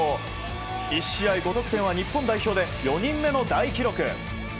１試合５得点は日本代表で４人目の大記録！